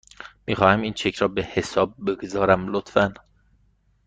میخواهم این چک را به حساب بگذارم، لطفاً.